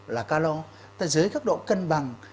là calo tại dưới các độ cân bằng